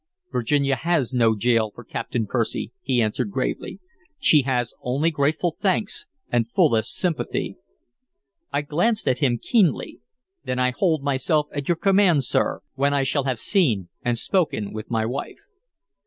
"Virginia has no gaol for Captain Percy," he answered gravely. "She has only grateful thanks and fullest sympathy." I glanced at him keenly. "Then I hold myself at your command, sir, when I shall have seen and spoken with my wife."